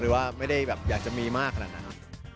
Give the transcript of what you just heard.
หรือว่าไม่ได้อยากจะมีมากขนาดนั้น